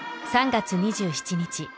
３月２７日